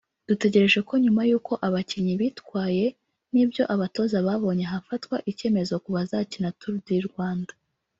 Dutegereje ko nyuma y’uko abakinnyi bitwaye n’ibyo abatoza babonye hafatwa icyemezo ku bazakina Tour du Rwanda